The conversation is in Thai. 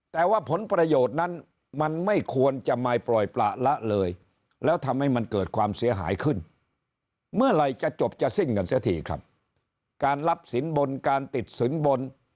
แต่ว่าผลประโยชน์นั้นมันไม่ควรจะมาปล่อยประละเลยแล้วทำให้มันเกิดความเสียหายขึ้นเมื่อไหร่จะจบจะสิ้นกันเสียทีครับการรับสินบนการติดสินบน